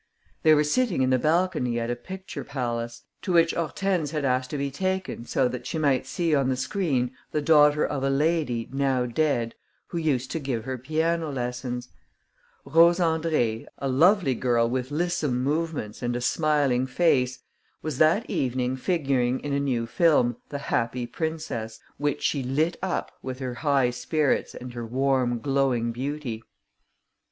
They were sitting in the balcony at a picture palace, to which Hortense had asked to be taken so that she might see on the screen the daughter of a lady, now dead, who used to give her piano lessons. Rose Andrée, a lovely girl with lissome movements and a smiling face, was that evening figuring in a new film, The Happy Princess, which she lit up with her high spirits and her warm, glowing beauty.